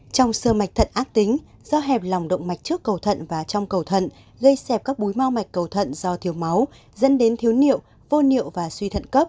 trong sơ mạch thận ác tính do hẹp lòng động mạch trước cầu thận và trong cầu thận gây xẹp các múi mau mạch cầu thận do thiếu máu dẫn đến thiếu niệu